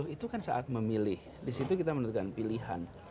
itu kan saat memilih disitu kita menentukan pilihan